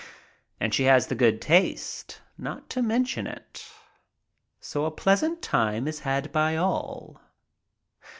And she has the good taste not to mention it, so a pleasant time is had by all.